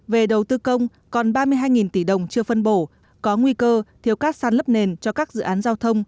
về đầu tư công còn ba mươi hai tỷ đồng chưa phân bổ có nguy cơ thiếu cát sàn lấp nền cho các dự án giao thông